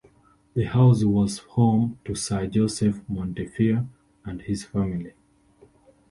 The house was home to Sir Joseph Montefiore and his family.